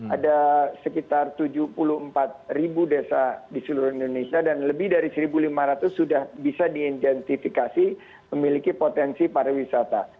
ada sekitar tujuh puluh empat ribu desa di seluruh indonesia dan lebih dari satu lima ratus sudah bisa diidentifikasi memiliki potensi pariwisata